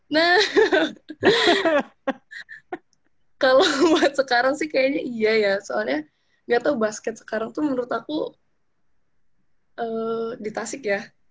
nah kalo buat sekarang sih kayaknya iya ya soalnya gak tau basket sekarang tuh menurut aku di tasik ya gak tau itu